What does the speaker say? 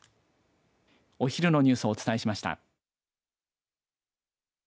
お昼のニュースをお伝えしました。